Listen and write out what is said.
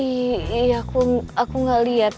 iya aku gak liat